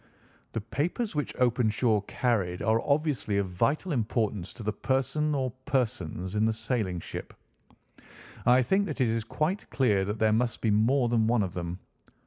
"The papers which Openshaw carried are obviously of vital importance to the person or persons in the sailing ship. I think that it is quite clear that there must be more than one of them.